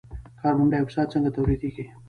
کاربن ډای اکساید څنګه تولیدیږي.